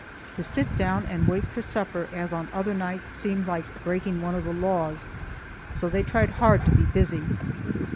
To sit down and wait for supper as on other nights seemed like breaking one of the laws. So they tried hard to be busy.